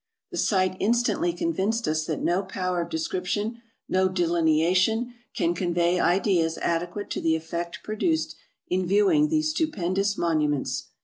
The sight instantly convinced us that no power of description, no delineation, can convey ideas adequate to the effect produced in viewing these stupendous monuments.